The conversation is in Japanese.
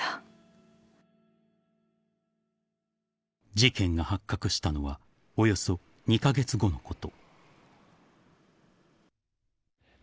［事件が発覚したのはおよそ２カ月後のこと］